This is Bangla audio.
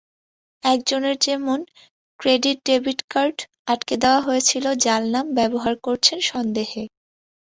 একজনের যেমন ক্রেডিট-ডেবিট কার্ড আটকে দেওয়া হয়েছিল জাল নাম ব্যবহার করছেন সন্দেহে।